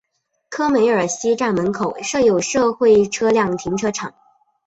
科梅尔西站门口设有社会车辆停车场。